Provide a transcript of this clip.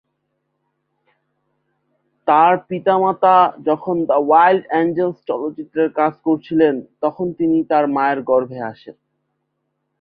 তার পিতামাতা যখন "দ্য ওয়াইল্ড অ্যাঞ্জেলস" চলচ্চিত্রের কাজ করছিলেন, তখন তিনি তার মায়ের গর্ভে আসেন।